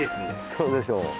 そうでしょ。